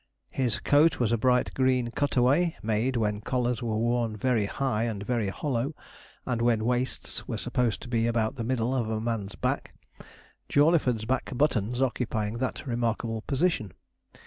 His coat was a bright green cut away made when collars were worn very high and very hollow, and when waists were supposed to be about the middle of a man's back, Jawleyford's back buttons occupying that remarkable position.